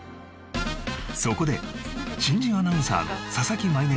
そこで新人アナウンサーの佐々木舞